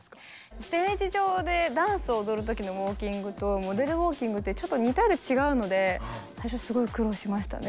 ステージ上でダンスを踊る時のウォーキングとモデルウォーキングってちょっと似たようで違うので最初すごい苦労しましたね。